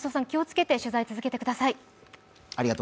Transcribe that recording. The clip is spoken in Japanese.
増尾さん、気をつけて取材を続けてください。